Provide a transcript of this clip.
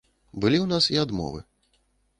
Былі ў нас і адмовы.